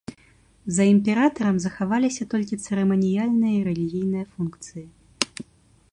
За імператарам захаваліся толькі цырыманіяльныя і рэлігійныя функцыі.